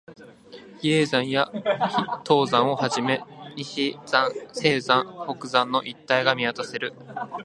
比叡山や東山をはじめ、西山、北山の一帯が見渡せる